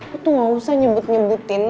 aku tuh gak usah nyebut nyebutin